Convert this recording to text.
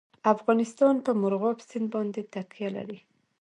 افغانستان په مورغاب سیند باندې تکیه لري.